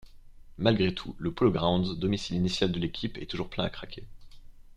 Malgré tout, le Polo Grounds, domicile initial de l'équipe, est toujours plein à craquer.